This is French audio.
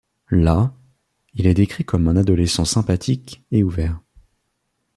Là, il est décrit comme un adolescent sympathique et ouvert.